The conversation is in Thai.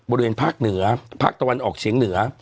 บริเวณภาคเหนือภาคตะวันออกเฉียงเหนือ